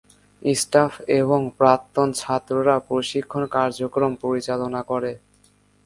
Staff এবং প্রাক্তন ছাত্ররা প্রশিক্ষণ কার্যক্রম পরিচালনা করে।